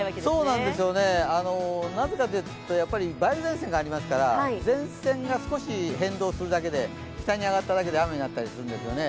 そうなんですよね、なぜかというとやっぱり梅雨前線がありますから前線が少し変動するだけで、北に上がったりするだけで雨になったりするんですよね。